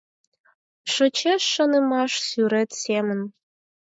Шочеш шонымаш сӱрет семын